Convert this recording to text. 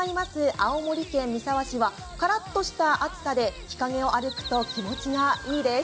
青森県三沢市はカラッとした涼しさで日影を歩くと、気持ちがいいです。